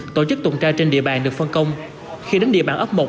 tổ chức tụng tra trên địa bàn được phân công